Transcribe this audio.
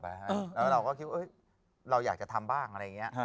แล้วเราก็คิดว่าเราอยากจะทำบ้างอะไรอย่างนี้